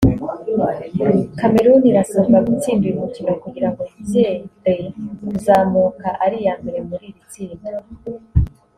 Cameroon irasabwa gutsinda uyu mukino kugira ngo yizere kuzamuka ari iya mbere muri iri tsinda